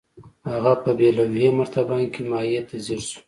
هغه په بې لوحې مرتبان کې مايع ته ځير شو.